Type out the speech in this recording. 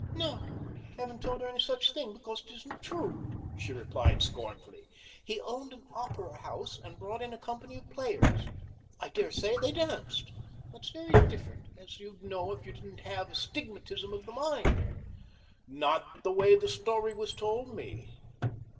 "No, I haven't told her any such thing, because it isn't true," she replied scornfully. "He owned an opera house and brought in a company of players. I dare say they danced. That's very different, as you'd know if you didn't have astigmatism of the mind." "Not the way the story was told me.